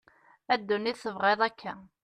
a dunit tebγiḍ akka